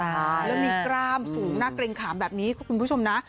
แล้วมีกล้ามสูงหน้าเกร็งขามแบบนี้คุณผู้ชมนะ